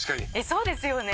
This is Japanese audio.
「そうですよね」